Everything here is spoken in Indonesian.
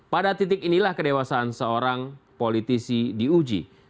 pada titik inilah kedewasaan seorang politisi diuji